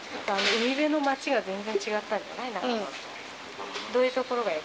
海辺の街が全然違ったんだよ